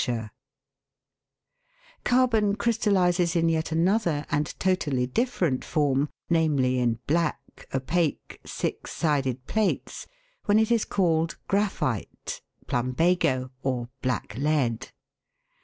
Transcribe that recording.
AMBER AND IRON PYRITES, 193 Carbon crystallises in yet another and totally different form, namely, in black, opaque, six sided plates, when it is called graphite, plumbago, or "black lead."